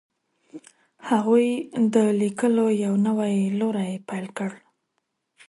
هغوی د لیکلو یو نوی لوری پیل کړ.